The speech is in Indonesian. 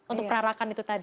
untuk perarakan itu tadi